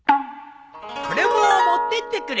これも持ってってくれ。